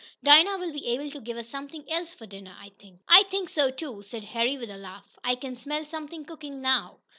Dinah will be able to give us something else for dinner, I think." "I think so, too," said Harry with a laugh. "I can smell something cooking now."